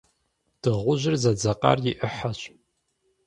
Дыгъужьыр зэдзакъэр и ӏыхьэщ.